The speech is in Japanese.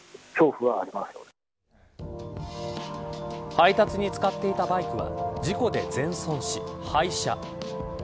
配達に使っていたバイクは事故で全損し廃車。